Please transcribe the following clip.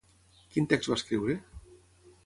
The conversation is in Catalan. Quin text va escriure?